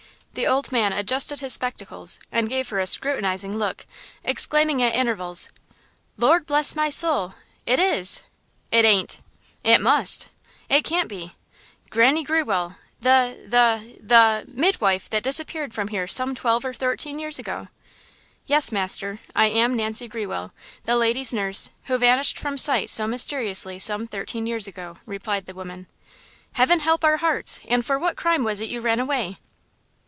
The old man adjusted his spectacles and gave her a scrutinizing look, exclaiming at intervals: "Lord bless my soul, it is! it ain't! it must! it can't be! Granny Grewell, the–the–the–midwife that disappeared from here some twelve or thirteen years ago!" "Yes, master, I am Nancy Grewell, the ladies' nurse, who vanished from sight so mysteriously some thirteen years ago," replied the woman. "Heaven help our hearts! And for what crime was it you ran away?